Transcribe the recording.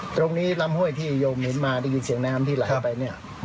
ตรงนี้ลำห้อยที่โยนมินมาที่เสียงน้ำที่ไร้ไปเนี้ยครับ